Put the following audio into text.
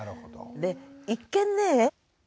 で一見ね